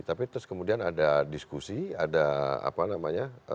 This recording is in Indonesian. tapi terus kemudian ada diskusi ada apa namanya